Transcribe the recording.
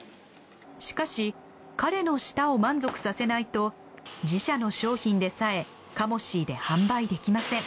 しかし彼の舌を満足させないと自社の商品でさえカモシーで販売できません。